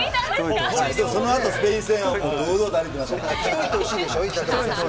そのあとスペイン戦は堂々と歩いてました。